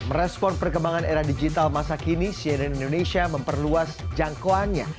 merespon perkembangan era digital masa kini cnn indonesia memperluas jangkauannya